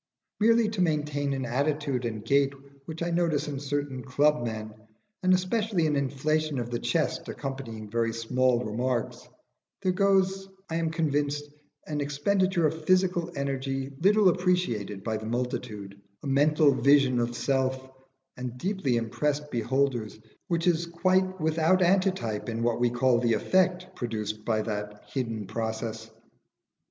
Merely to maintain an attitude and gait which I notice in certain club men, and especially an inflation of the chest accompanying very small remarks, there goes, I am convinced, an expenditure of psychical energy little appreciated by the multitude a mental vision of Self and deeply impressed beholders which is quite without antitype in what we call the effect produced by that hidden process.